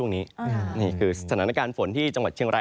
นี่คือสถานการณ์ฝนที่จังหวัดเชียงราย